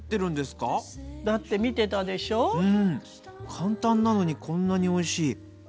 簡単なのにこんなにおいしい。